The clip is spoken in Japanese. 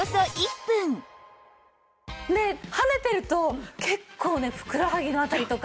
跳ねていると結構ねふくらはぎのあたりとか。